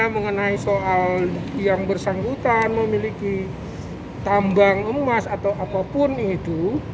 mengenai soal yang bersangkutan memiliki tambang emas atau apapun itu